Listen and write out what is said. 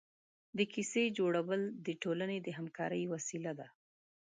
د کیسې جوړول د ټولنې د همکارۍ وسیله ده.